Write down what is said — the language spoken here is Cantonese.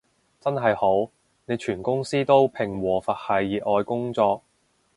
真係好，你全公司都平和佛系熱愛工作